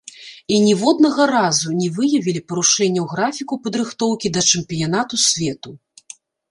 І ніводнага разу не выявілі парушэнняў графіку падрыхтоўкі да чэмпіянату свету.